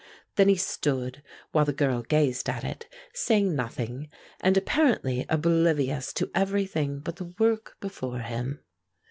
Then he stood, while the girl gazed at it, saying nothing, and apparently oblivious to everything but the work before him.